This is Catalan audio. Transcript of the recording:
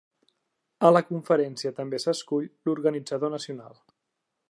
A la conferència també s'escull l'Organitzador Nacional.